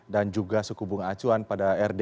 dan juga sehubung acuan pada rdg